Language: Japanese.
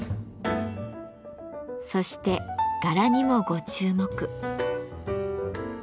そして柄にもご注目。